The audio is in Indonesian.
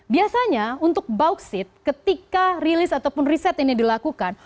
biasanya untuk bauksit ketika rilis ataupun riset ini dilakukan